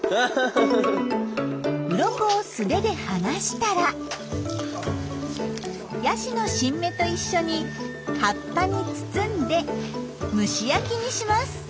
うろこを素手でがしたらヤシの新芽と一緒に葉っぱに包んで蒸し焼きにします。